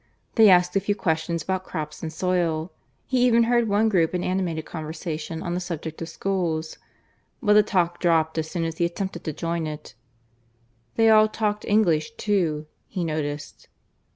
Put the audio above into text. They asked a few questions about crops and soil; he even heard one group in animated conversation on the subject of schools, but the talk dropped as soon as he attempted to join in it. They all talked English too, he noticed.